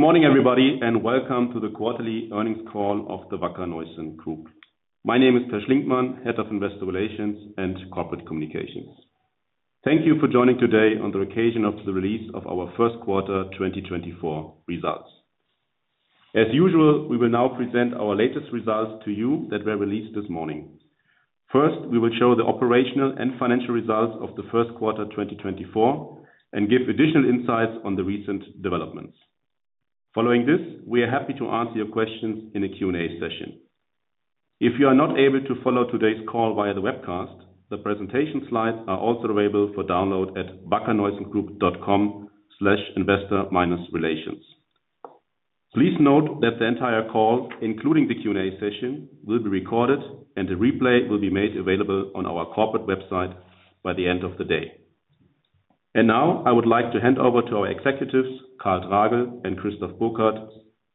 Good morning, everybody, and welcome to the quarterly earnings call of the Wacker Neuson Group. My name is Peer Schlinkmann, Head of Investor Relations and Corporate Communications. Thank you for joining today on the occasion of the release of our first quarter 2024 results. As usual, we will now present our latest results to you that were released this morning. First, we will show the operational and financial results of the first quarter 2024, and give additional insights on the recent developments. Following this, we are happy to answer your questions in a Q&A session. If you are not able to follow today's call via the webcast, the presentation slides are also available for download at wackerneusongroup.com/investor-relations. Please note that the entire call, including the Q&A session, will be recorded, and a replay will be made available on our corporate website by the end of the day. Now, I would like to hand over to our executives, Karl Tragl and Christoph Burkhard,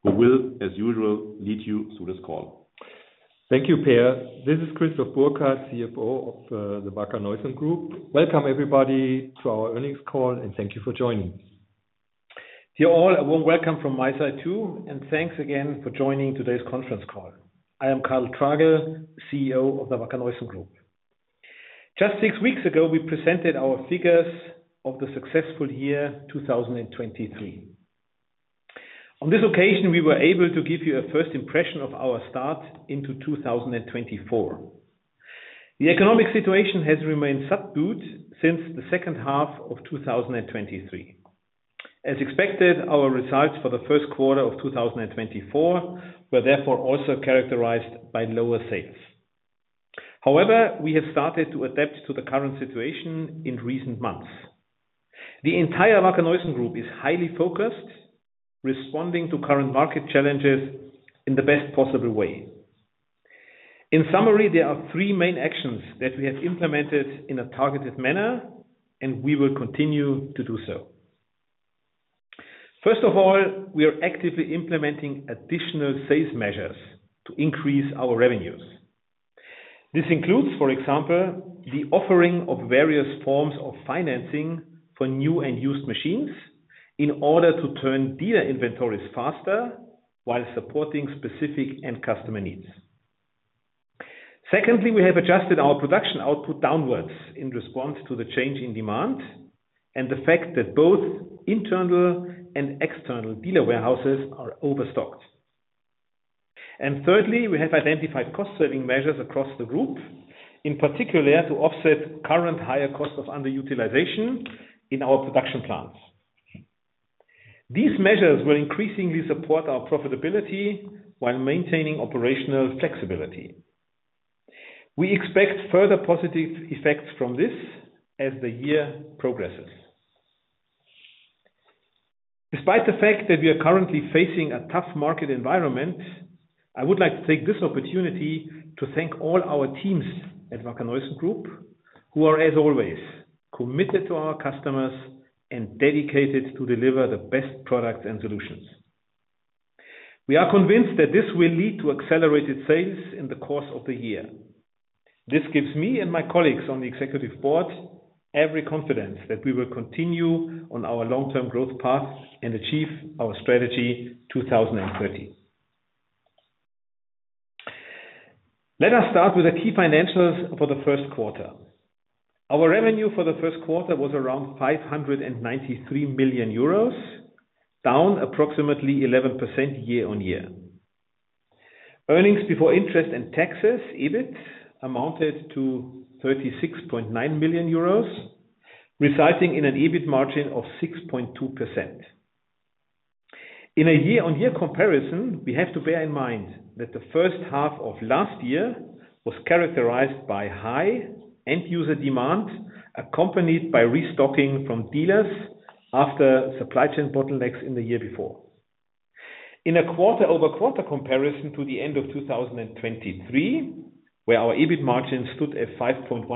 who will, as usual, lead you through this call. Thank you, Peer. This is Christoph Burkhard, CFO of the Wacker Neuson Group. Welcome, everybody, to our earnings call, and thank you for joining us. Dear all, a warm welcome from my side, too, and thanks again for joining today's conference call. I am Karl Tragl, CEO of the Wacker Neuson Group. Just six weeks ago, we presented our figures of the successful year 2023. On this occasion, we were able to give you a first impression of our start into 2024. The economic situation has remained subdued since the second half of 2023. As expected, our results for the first quarter of 2024 were therefore also characterized by lower sales. However, we have started to adapt to the current situation in recent months. The entire Wacker Neuson Group is highly focused, responding to current market challenges in the best possible way. In summary, there are three main actions that we have implemented in a targeted manner, and we will continue to do so. First of all, we are actively implementing additional sales measures to increase our revenues. This includes, for example, the offering of various forms of financing for new and used machines in order to turn dealer inventories faster, while supporting specific end customer needs. Secondly, we have adjusted our production output downwards in response to the change in demand, and the fact that both internal and external dealer warehouses are overstocked. And thirdly, we have identified cost-saving measures across the group, in particular, to offset current higher costs of underutilization in our production plants. These measures will increasingly support our profitability while maintaining operational flexibility. We expect further positive effects from this as the year progresses. Despite the fact that we are currently facing a tough market environment, I would like to take this opportunity to thank all our teams at Wacker Neuson Group, who are, as always, committed to our customers and dedicated to deliver the best products and solutions. We are convinced that this will lead to accelerated sales in the course of the year. This gives me and my colleagues on the executive board every confidence that we will continue on our long-term growth path and achieve our Strategy 2030. Let us start with the key financials for the first quarter. Our revenue for the first quarter was around 593 million euros, down approximately 11% year-on-year. Earnings before interest and taxes, EBIT, amounted to 36.9 million euros, resulting in an EBIT margin of 6.2%. In a year-on-year comparison, we have to bear in mind that the first half of last year was characterized by high end user demand, accompanied by restocking from dealers after supply chain bottlenecks in the year before. In a quarter-over-quarter comparison to the end of 2023, where our EBIT margin stood at 5.1%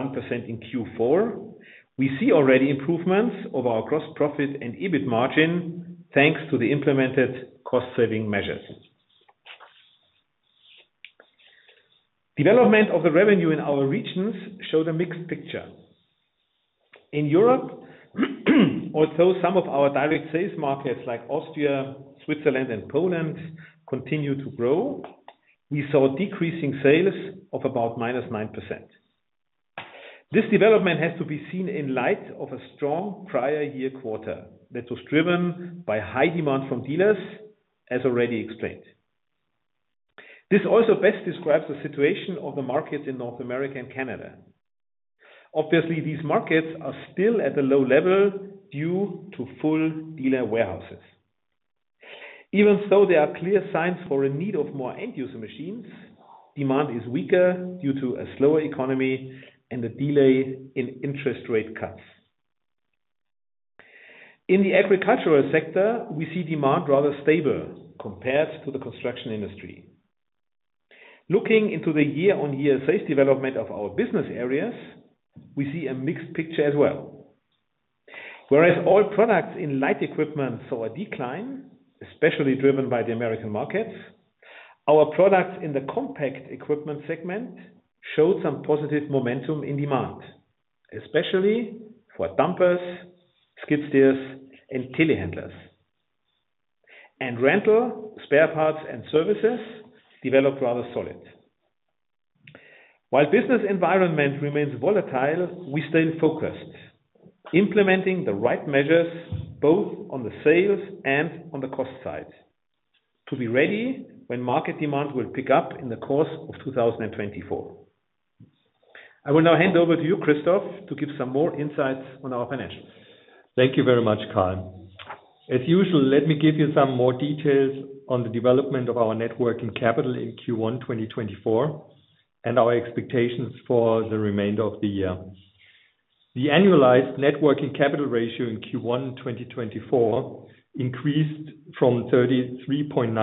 in Q4, we see already improvements of our gross profit and EBIT margin, thanks to the implemented cost-saving measures. Development of the revenue in our regions show the mixed picture. In Europe, although some of our direct sales markets like Austria, Switzerland, and Poland continue to grow, we saw decreasing sales of about -9%. This development has to be seen in light of a strong prior year quarter that was driven by high demand from dealers, as already explained. This also best describes the situation of the market in North America and Canada. Obviously, these markets are still at a low level due to full dealer warehouses. Even so, there are clear signs for a need of more end user machines. Demand is weaker due to a slower economy and a delay in interest rate cuts. In the agricultural sector, we see demand rather stable compared to the construction industry. Looking into the year-on-year sales development of our business areas, we see a mixed picture as well. Whereas all products in light equipment saw a decline, especially driven by the American market. Our products in the compact equipment segment showed some positive momentum in demand, especially for dumpers, skid steers, and telehandlers. And rental, spare parts, and services developed rather solid. While business environment remains volatile, we stay focused, implementing the right measures, both on the sales and on the cost side, to be ready when market demand will pick up in the course of 2024. I will now hand over to you, Christoph, to give some more insights on our financials. Thank you very much, Karl. As usual, let me give you some more details on the development of our net working capital in Q1 2024 and our expectations for the remainder of the year. The annualized net working capital ratio in Q1 2024 increased from 33.9%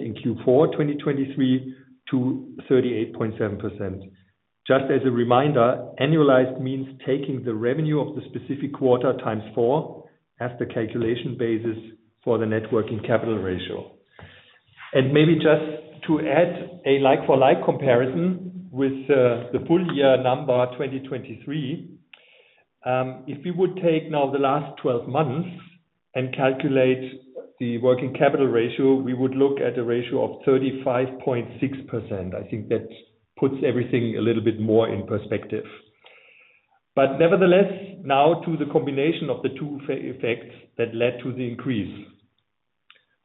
in Q4 2023 to 38.7%. Just as a reminder, annualized means taking the revenue of the specific quarter x4, as the calculation basis for the net working capital ratio. Maybe just to add a like-for-like comparison with the full year number 2023, if we would take now the last 12 months and calculate the working capital ratio, we would look at a ratio of 35.6%. I think that puts everything a little bit more in perspective. But nevertheless, now to the combination of the two effects that led to the increase.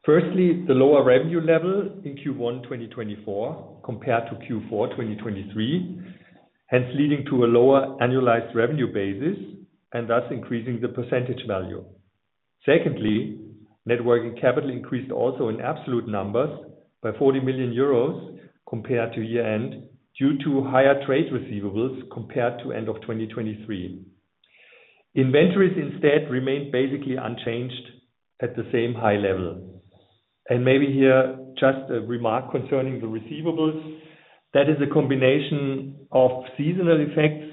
Firstly, the lower revenue level in Q1 2024, compared to Q4 2023, hence leading to a lower annualized revenue basis and thus increasing the percentage value. Secondly, net working capital increased also in absolute numbers by 40 million euros compared to year-end, due to higher trade receivables compared to end of 2023. Inventories instead remained basically unchanged at the same high level. And maybe here, just a remark concerning the receivables, that is a combination of seasonal effects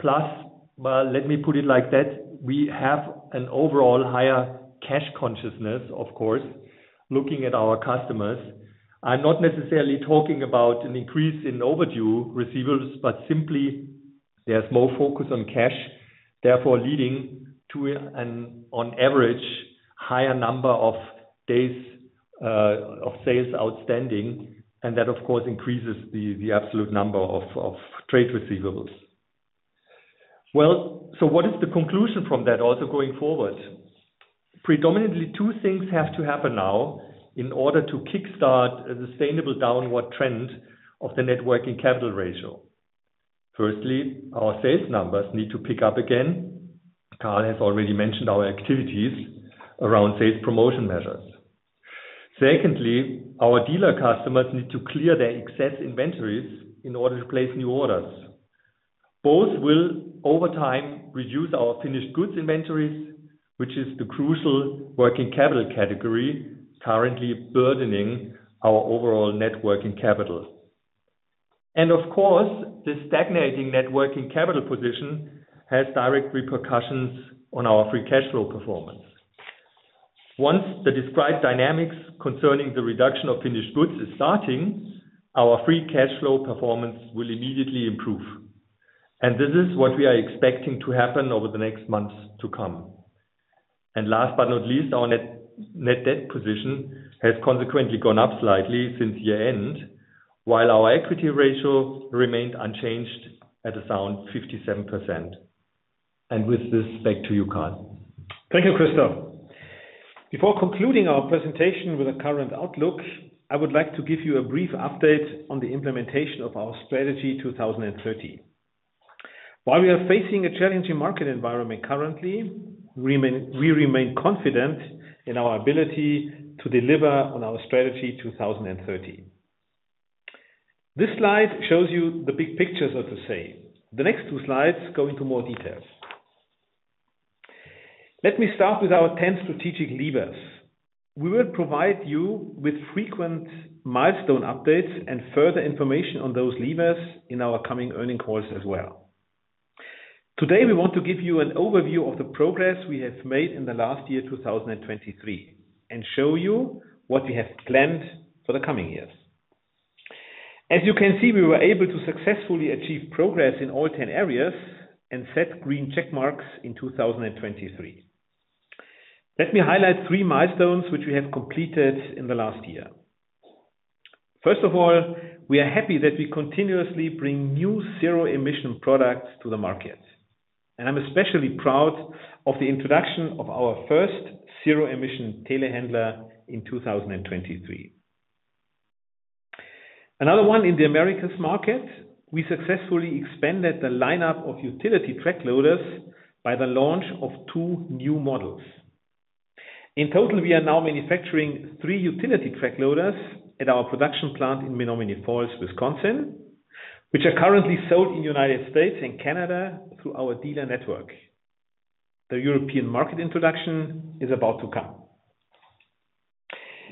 plus, well, let me put it like that, we have an overall higher cash consciousness, of course, looking at our customers. I'm not necessarily talking about an increase in overdue receivables, but simply there's more focus on cash, therefore leading to an on average, higher number of days of sales outstanding, and that, of course, increases the absolute number of trade receivables. Well, so what is the conclusion from that, also going forward? Predominantly, two things have to happen now in order to kickstart a sustainable downward trend of the net working capital ratio. Firstly, our sales numbers need to pick up again. Karl has already mentioned our activities around sales promotion measures. Secondly, our dealer customers need to clear their excess inventories in order to place new orders. Both will, over time, reduce our finished goods inventories, which is the crucial working capital category currently burdening our overall net working capital. And of course, the stagnating net working capital position has direct repercussions on our free cash flow performance. Once the described dynamics concerning the reduction of finished goods is starting, our free cash flow performance will immediately improve. And this is what we are expecting to happen over the next months to come. And last but not least, our net debt position has consequently gone up slightly since year-end, while our equity ratio remained unchanged at a sound 57%. And with this, back to you, Karl. Thank you, Christoph. Before concluding our presentation with the current outlook, I would like to give you a brief update on the implementation of our Strategy 2030. While we are facing a challenging market environment currently, we remain confident in our ability to deliver on our Strategy 2030. This slide shows you the big picture, so to say. The next two slides go into more details. Let me start with our 10 strategic levers. We will provide you with frequent milestone updates and further information on those levers in our coming earnings calls as well. Today, we want to give you an overview of the progress we have made in the last year, 2023, and show you what we have planned for the coming years. As you can see, we were able to successfully achieve progress in all 10 areas and set green check marks in 2023. Let me highlight three milestones which we have completed in the last year. First of all, we are happy that we continuously bring new zero-emission products to the market, and I'm especially proud of the introduction of our first zero-emission telehandler in 2023. Another one in the Americas market, we successfully expanded the lineup of utility track loaders by the launch of two new models. In total, we are now manufacturing three utility track loaders at our production plant in Menomonee Falls, Wisconsin, which are currently sold in the United States and Canada through our dealer network. The European market introduction is about to come.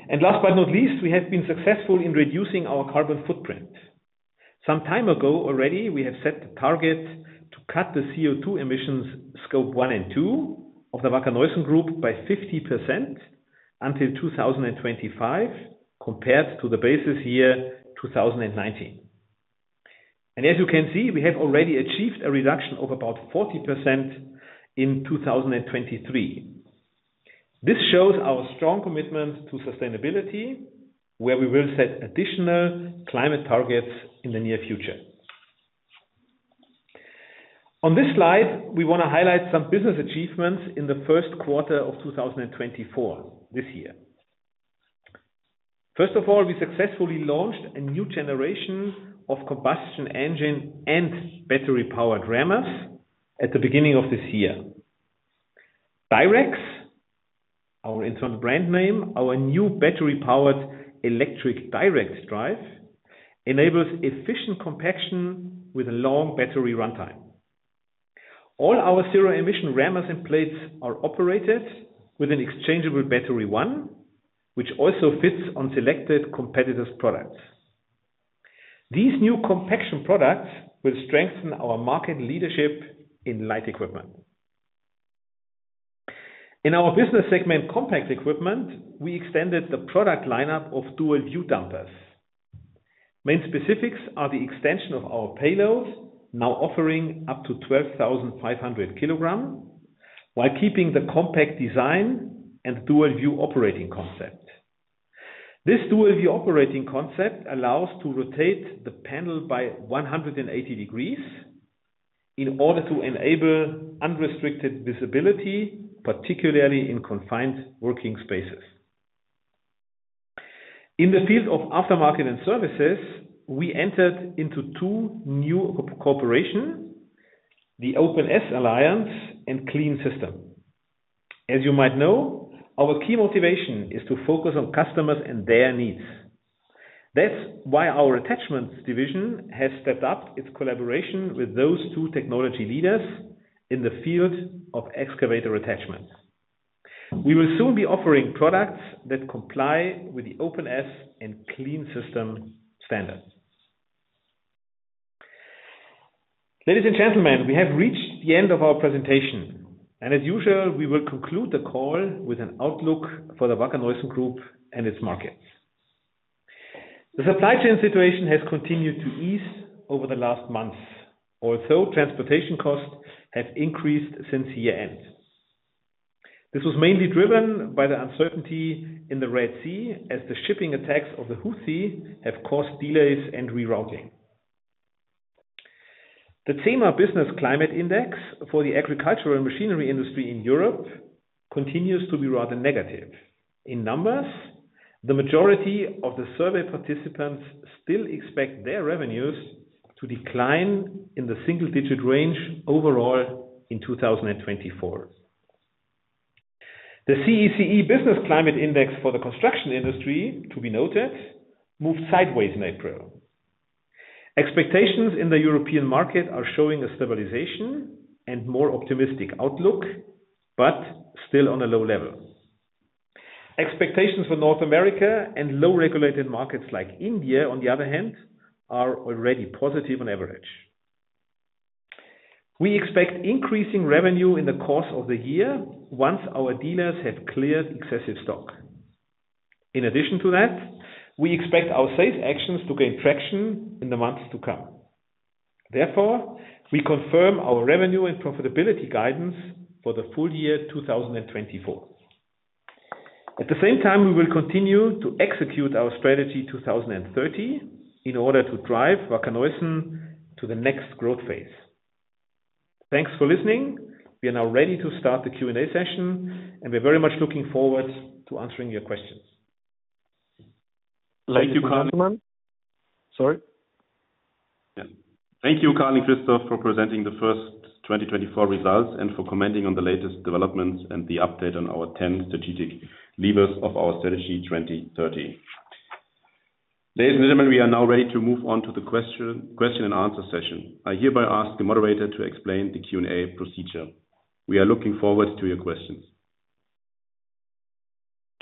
And last but not least, we have been successful in reducing our carbon footprint. Some time ago already, we have set the target to cut the CO2 emissions, Scope 1 and 2, of the Wacker Neuson Group by 50% until 2025, compared to the basis year, 2019. As you can see, we have already achieved a reduction of about 40% in 2023. This shows our strong commitment to sustainability, where we will set additional climate targets in the near future. On this slide, we want to highlight some business achievements in the first quarter of 2024, this year. First of all, we successfully launched a new generation of combustion engine and battery-powered rammers at the beginning of this year. DireX, our internal brand name, our new battery-powered electric DireX drive, enables efficient compaction with a long battery runtime. All our zero-emission rammers in place are operated with an exchangeable Battery One, which also fits on selected competitors' products. These new compaction products will strengthen our market leadership in light equipment. In our business segment, compact equipment, we extended the product lineup of Dual View dumpers. Main specifics are the extension of our payloads, now offering up to 12,500 kilograms, while keeping the compact design and Dual View operating concept. This Dual View operating concept allows to rotate the panel by 180 degrees in order to enable unrestricted visibility, particularly in confined working spaces. In the field of aftermarket and services, we entered into two new cooperations, the Open-S Alliance and Clean System. As you might know, our key motivation is to focus on customers and their needs. That's why our attachments division has stepped up its collaboration with those two technology leaders in the field of excavator attachment. We will soon be offering products that comply with the Open-S and Clean System standards. Ladies and gentlemen, we have reached the end of our presentation, and as usual, we will conclude the call with an outlook for the Wacker Neuson Group and its markets. The supply chain situation has continued to ease over the last months, although transportation costs have increased since year-end. This was mainly driven by the uncertainty in the Red Sea, as the shipping attacks of the Houthis have caused delays and rerouting. The CEMA business Climate Index for the agricultural machinery industry in Europe continues to be rather negative. In numbers, the majority of the survey participants still expect their revenues to decline in the single-digit range overall in 2024. The CECE Business Climate Index for the construction industry, to be noted, moved sideways in April. Expectations in the European market are showing a stabilization and more optimistic outlook, but still on a low level. Expectations for North America and low-regulated markets like India, on the other hand, are already positive on average. We expect increasing revenue in the course of the year once our dealers have cleared excessive stock. In addition to that, we expect our sales actions to gain traction in the months to come. Therefore, we confirm our revenue and profitability guidance for the full year 2024. At the same time, we will continue to execute our Strategy 2030 in order to drive Wacker Neuson to the next growth phase. Thanks for listening. We are now ready to start the Q&A session, and we're very much looking forward to answering your questions. Thank you, Karl- Sorry? Yeah. Thank you, Karl and Christoph, for presenting the first 2024 results and for commenting on the latest developments and the update on our 10 strategic levers of our Strategy 2030. Ladies and gentlemen, we are now ready to move on to the question and answer session. I hereby ask the moderator to explain the Q&A procedure. We are looking forward to your questions.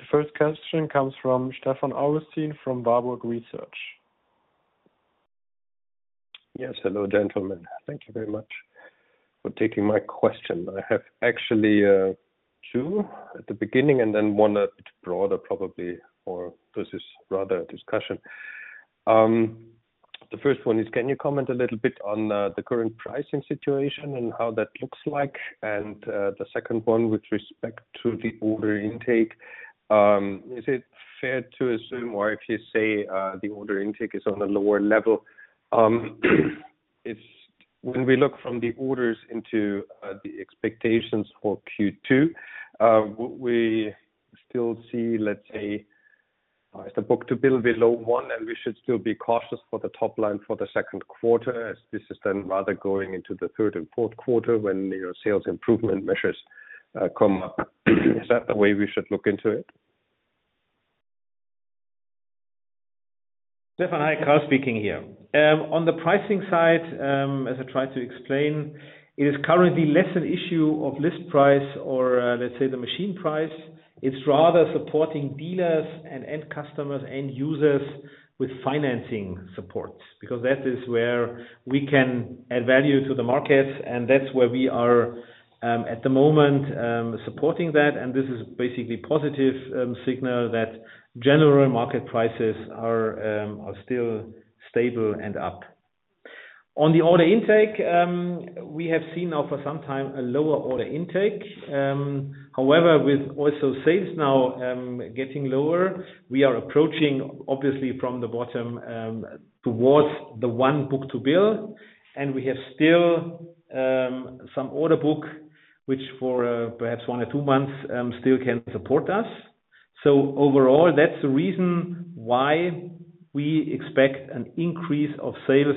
The first question comes from Stefan Augustin from Warburg Research. Yes, hello, gentlemen. Thank you very much for taking my question. I have actually two at the beginning and then one a bit broader, probably, or this is rather a discussion. The first one is, can you comment a little bit on the current pricing situation and how that looks like? And the second one, with respect to the order intake, is it fair to assume, or if you say the order intake is on a lower level, it's when we look from the orders into the expectations for Q2, we still see, let's say, is the book to build below one, and we should still be cautious for the top line for the second quarter, as this is then rather going into the third and fourth quarter when your sales improvement measures come up. Is that the way we should look into it? Stefan, hi, Karl speaking here. On the pricing side, as I tried to explain, it is currently less an issue of list price or, let's say, the machine price. It's rather supporting dealers and end customers, end users, with financing support, because that is where we can add value to the market, and that's where we are at the moment supporting that, and this is basically positive signal that general market prices are still stable and up. On the order intake, we have seen now for some time a lower order intake. However, with also sales now getting lower, we are approaching obviously from the bottom towards the one book to build. We have still some order book, which for perhaps one or two months still can support us. So overall, that's the reason why we expect an increase of sales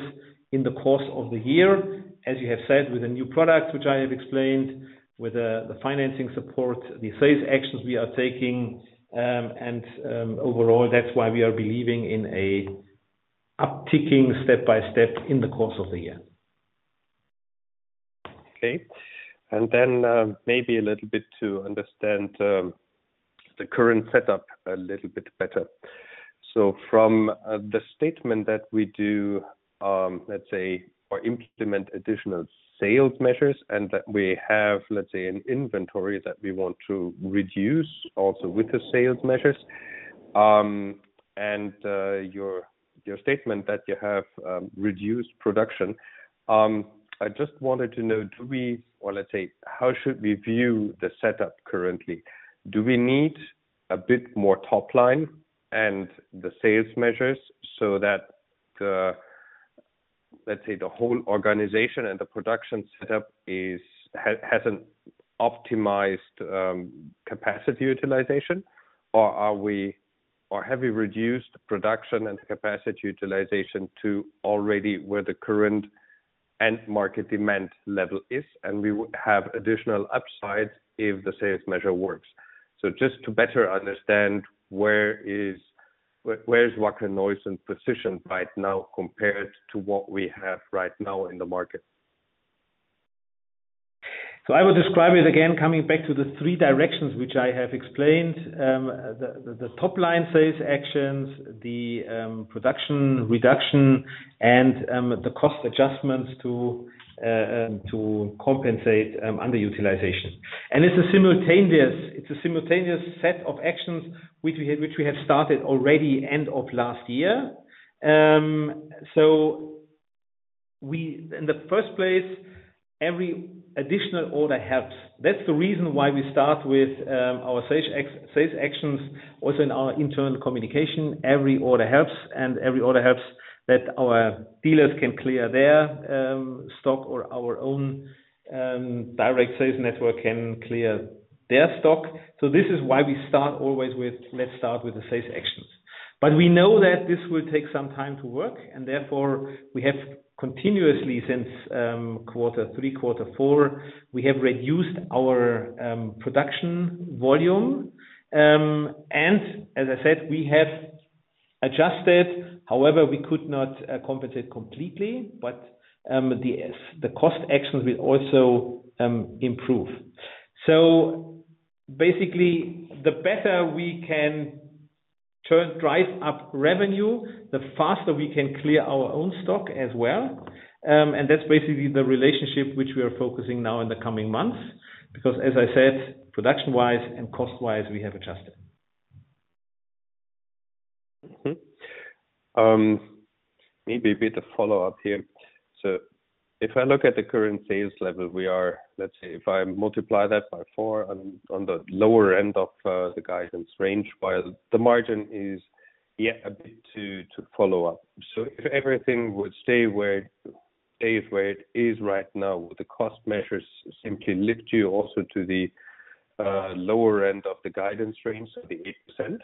in the course of the year, as you have said, with the new product, which I have explained, with the financing support, the sales actions we are taking. Overall, that's why we are believing in an upticking step-by-step in the course of the year. Okay. And then, maybe a little bit to understand, the current setup a little bit better. So from, the statement that we do, let's say, or implement additional sales measures and that we have, let's say, an inventory that we want to reduce also with the sales measures. And, your, your statement that you have, reduced production, I just wanted to know, do we-- or let's say, how should we view the setup currently? Do we need a bit more top line and the sales measures so that the, let's say, the whole organization and the production setup has an optimized, capacity utilization? Or are we-- or have we reduced production and capacity utilization to already where the current end market demand level is, and we would have additional upside if the sales measure works? Just to better understand where is Wacker Neuson's position right now compared to what we have right now in the market? So I would describe it again, coming back to the three directions which I have explained: the top line sales actions, the production reduction, and the cost adjustments to compensate underutilization. And it's a simultaneous set of actions which we have started already, end of last year. So, in the first place, every additional order helps. That's the reason why we start with our sales actions, also in our internal communication, every order helps, and every order helps that our dealers can clear their stock or our own direct sales network can clear their stock. So this is why we start always with, "Let's start with the sales actions." But we know that this will take some time to work, and therefore, we have continuously since quarter three, quarter four, we have reduced our production volume. And as I said, we have adjusted. However, we could not compensate completely, but the cost actions will also improve. So basically, the better we can turn drive up revenue, the faster we can clear our own stock as well. And that's basically the relationship which we are focusing now in the coming months, because as I said, production-wise and cost-wise, we have adjusted. Mm-hmm. Maybe a bit of follow-up here. So if I look at the current sales level, we are, let's say, if I multiply that by 4 on, on the lower end of the guidance range, but the margin is yet a bit to, to follow up. So if everything would stay where, stay where it is right now, would the cost measures simply lift you also to the lower end of the guidance range, so the 8%?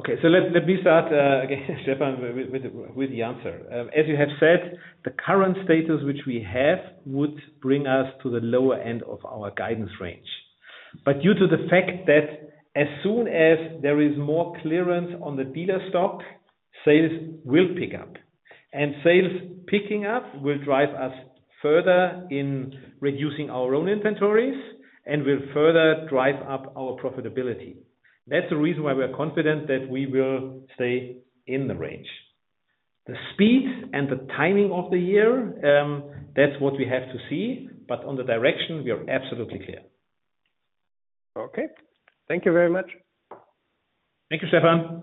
Okay, so let me start again, Stefan, with the answer. As you have said, the current status which we have would bring us to the lower end of our guidance range. But due to the fact that as soon as there is more clearance on the dealer stock, sales will pick up, and sales picking up will drive us further in reducing our own inventories and will further drive up our profitability. That's the reason why we are confident that we will stay in the range. The speed and the timing of the year, that's what we have to see, but on the direction, we are absolutely clear. Okay. Thank you very much. Thank you, Stefan.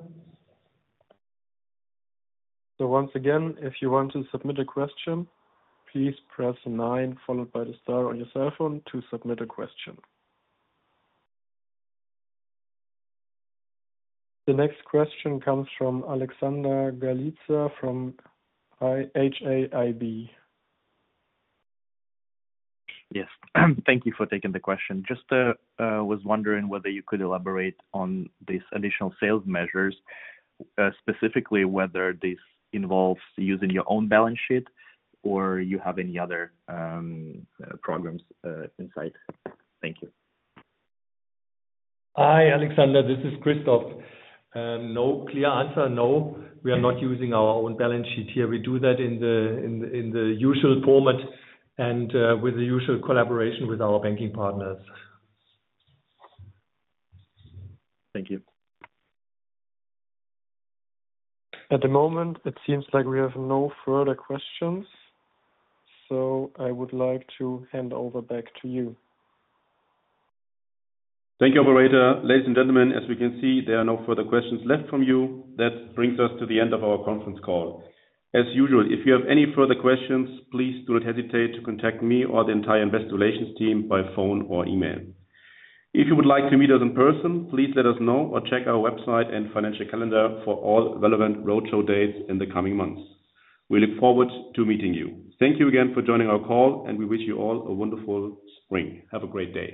Once again, if you want to submit a question, please press nine followed by the star on your cell phone to submit a question. The next question comes from Alexander Galitsa from Hauck Aufhäuser Investment Banking. Yes. Thank you for taking the question. Just was wondering whether you could elaborate on these additional sales measures, specifically whether this involves using your own balance sheet or you have any other programs in sight? Thank you. Hi, Alexander, this is Christoph. No clear answer. No, we are not using our own balance sheet here. We do that in the usual format and with the usual collaboration with our banking partners. Thank you. At the moment, it seems like we have no further questions, so I would like to hand over back to you. Thank you, operator. Ladies and gentlemen, as we can see, there are no further questions left from you. That brings us to the end of our conference call. As usual, if you have any further questions, please do not hesitate to contact me or the entire investor relations team by phone or email. If you would like to meet us in person, please let us know or check our website and financial calendar for all relevant roadshow dates in the coming months. We look forward to meeting you. Thank you again for joining our call, and we wish you all a wonderful spring. Have a great day.